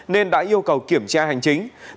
nên đã yêu cầu kiểm tra hành chính